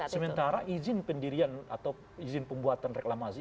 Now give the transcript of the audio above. sementara izin pendirian atau izin pembuatan reklamasi